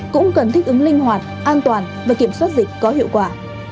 cũng cần thích ứng linh hoạt an toàn và kiểm soát dịch có hiệu quả